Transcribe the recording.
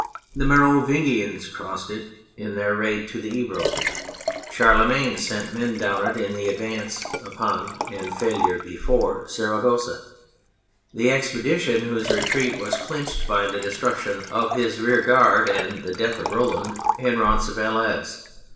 The Merovingians crossed it in their raids to the Ebro ; Charlemagne sent men down it in the advance upon (and failure before) Saragossa the expedition whose retreat was clinched by the destruction of his rearguard and the death of Roland in Roncesvalles.